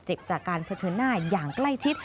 จากการเผชิญหน้าอย่างใกล้ชิด